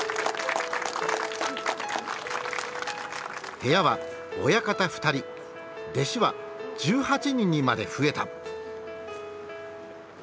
部屋は親方２人弟子は１８人にまで増えた。